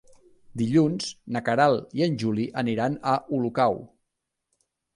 Dilluns na Queralt i en Juli aniran a Olocau.